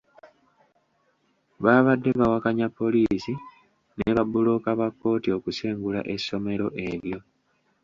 Baabadde bawakanya poliisi ne babbulooka ba kkooti okusengula essomero eryo.